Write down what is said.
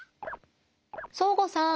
そーごさん！